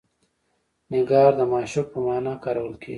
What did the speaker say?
نګار د معشوق په معنی کارول کیږي.